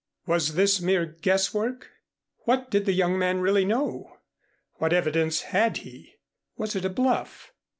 Was this mere guess work? What did the young man really know? What evidence had he? Was it a bluff?